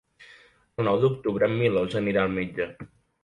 El nou d'octubre en Milos anirà al metge.